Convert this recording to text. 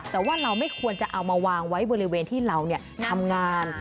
แต่ว่าเราไม่ควรจะเอามาวางไว้บริเวณที่เราทำงาน